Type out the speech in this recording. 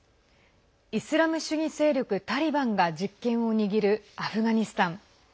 イスラム主義勢力タリバンが実権を握るアフガニスタン。